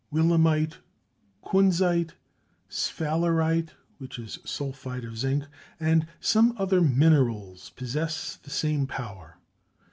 Willemite, kunzite, sphalerite (sulphide of zinc) and some other minerals possess the same power.